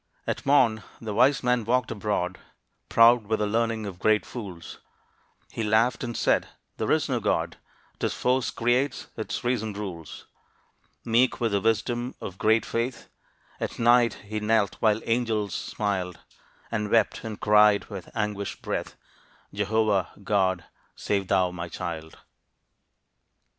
At morn the wise man walked abroad, Proud with the learning of great fools. He laughed and said, "There is no God 'Tis force creates, 'tis reason rules." Meek with the wisdom of great faith, At night he knelt while angels smiled, And wept and cried with anguished breath, "Jehovah, God, save thou my child."